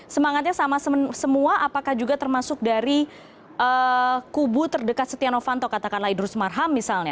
semangatnya sama semua apakah juga termasuk dari kubu terdekat setia novanto katakanlah idrus marham misalnya